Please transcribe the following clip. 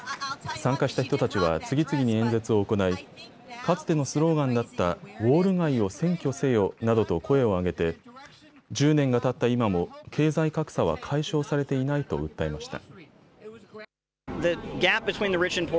参加した人たちは次々に演説を行いかつてのスローガンだったウォール街を占拠せよなどと声を上げて１０年がたった今も経済格差は解消されていないと訴えました。